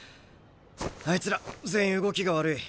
あいつら全員動きが悪い。